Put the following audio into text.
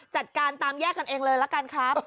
จัดการตามแยกกันเองเลยละกันครับ